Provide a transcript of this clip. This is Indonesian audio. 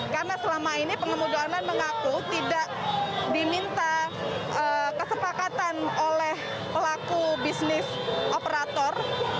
karena selama ini pengemudi online mengaku tidak diminta kesepakatan oleh pelaku bisnis operator